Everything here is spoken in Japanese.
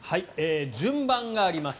順番があります。